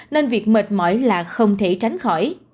nên việc mệt mỏi là không thể tránh khỏi